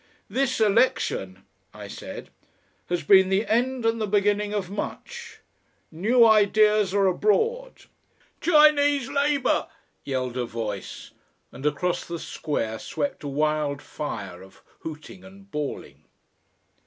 "This election," I said, "has been the end and the beginning of much. New ideas are abroad " "Chinese labour," yelled a voice, and across the square swept a wildfire of booting and bawling.